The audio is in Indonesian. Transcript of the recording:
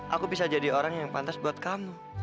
aku bisa jadi orang yang pantas buat kamu